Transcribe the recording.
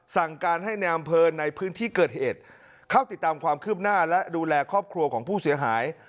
สั่งการให้ในอำเภอในพื้นที่เกิดเหตุเข้าติดตามความคืบหน้าและดูแลครอบครัวของผู้เสียหาย